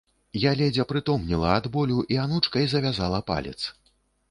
Я ледзь апрытомнела ад болю і анучкай завязала палец.